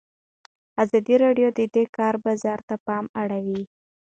ازادي راډیو د د کار بازار ته پام اړولی.